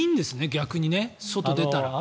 逆にね、外に出たら。